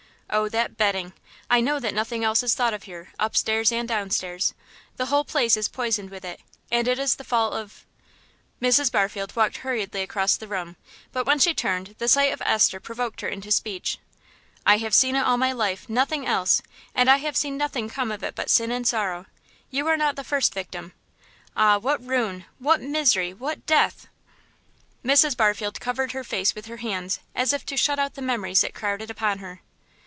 Oh, that betting! I know that nothing else is thought of here; upstairs and downstairs, the whole place is poisoned with it, and it is the fault of " Mrs. Barfield walked hurriedly across the room, but when she turned the sight of Esther provoked her into speech. "I have seen it all my life, nothing else, and I have seen nothing come of it but sin and sorrow; you are not the first victim. Ah, what ruin, what misery, what death!" Mrs. Barfield covered her face with her hands, as if to shut out the memories that crowded upon her.